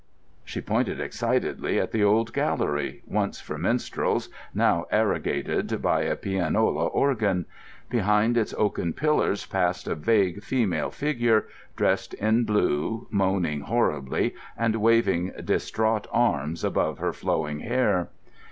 She pointed excitedly at the old gallery, once for minstrels, now arrogated by a pianola organ. Behind its oaken pillars passed a vague female figure, dressed in blue, moaning horribly, and waving distraught arms above her flowing hair.